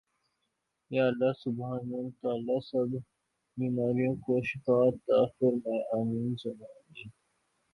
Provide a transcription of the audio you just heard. یا اللّٰہ سبحان اللّٰہ تعالی سب بیماروں کو شفاء عطاء فرمائے آمین ثم آمین